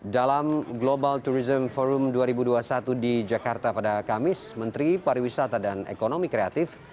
dalam global tourism forum dua ribu dua puluh satu di jakarta pada kamis menteri pariwisata dan ekonomi kreatif